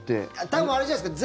多分あれじゃないですか。